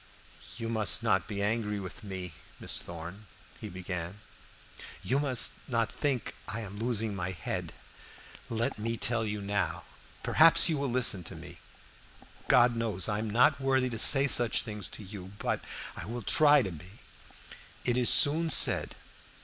"You must not be angry with me, Miss Thorn," he began, "you must not think I am losing my head. Let me tell you now perhaps you will listen to me. God knows, I am not worthy to say such things to you, but I will try to be. It is soon said.